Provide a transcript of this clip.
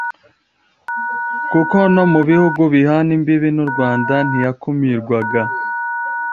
kuko no mu bihugu bihana imbibi n’u Rwanda ntiyakumirwaga